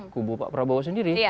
kubu pak prabowo sendiri